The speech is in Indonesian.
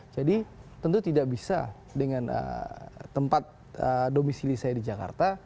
jadi tentu tidak bisa dengan tempat domisili saya di jakarta